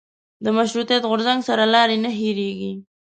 مشروطیت غورځنګ سرلاري نه هېرېږي.